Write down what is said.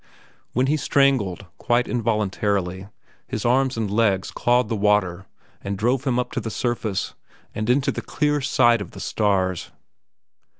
When he strangled, quite involuntarily his arms and legs clawed the water and drove him up to the surface and into the clear sight of the stars.